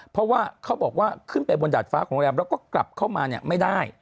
เพราะว่าเขาบอกว่าขึ้นไปบนดาดฟ้าของโรงแรมแล้วก็กลับเข้ามาเนี่ยไม่ได้